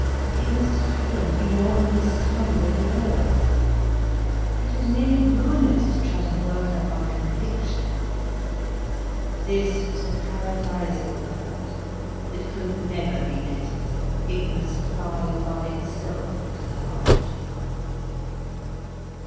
It must happen beyond the sound of words. It was merely ruinous to try to work her by conviction. This was a paradisal bird that could never be netted, it must fly by itself to the heart.